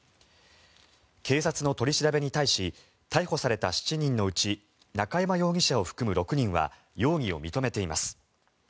警察の取り調べに対し逮捕された７人のうち中山容疑者を含む６人は容疑を認めています。